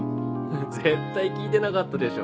絶対聞いてなかったでしょ。